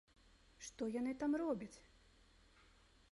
Што яны там робяць?